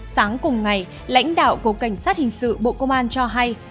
sáng cùng ngày lãnh đạo cục cảnh sát hình sự bộ công an cho hay